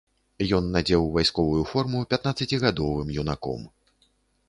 Ён надзеў вайсковую форму пятнаццацігадовым юнаком.